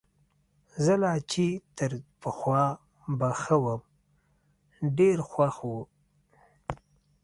زه لا چي تر پخوا به ښه وم، ډېر خوښ وو.